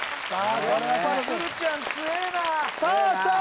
やっぱり鶴ちゃん強えなさあさあ